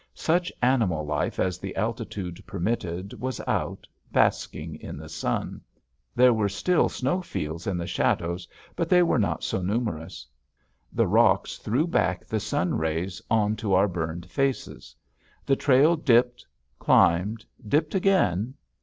Such animal life as the altitude permitted was out, basking in the sun. There were still snow fields in the shadows, but they were not so numerous. The rocks threw back the sun rays on to our burned faces. The trail dipped, climbed, dipped again.